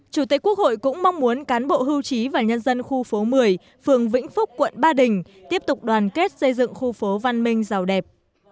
chủ tịch quốc hội cũng mong muốn cán bộ hưu trí và nhân dân khu phố một mươi phường vĩnh phúc quận ba đình tiếp tục đoàn kết xây dựng khu phố văn minh giàu đẹp